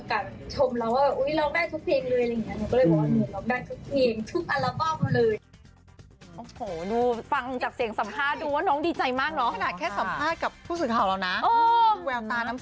ก็ตายจากนั้นเลยพี่เขาก็มีโอกาสชมเราว่า